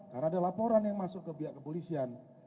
karena ada laporan yang masuk ke pihak kepolisian